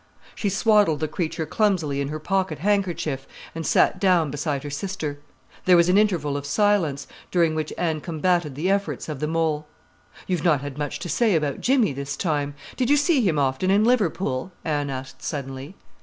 She swaddled the creature clumsily in her pocket handkerchief and sat down beside her sister. There was an interval of silence, during which Anne combated the efforts of the mole. "You've not had much to say about Jimmy this time. Did you see him often in Liverpool?" Anne asked suddenly.